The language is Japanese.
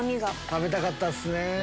食べたかったっすね。